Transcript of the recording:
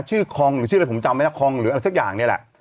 คองหรือชื่ออะไรผมจำไหมนะคองหรืออะไรสักอย่างเนี่ยแหละ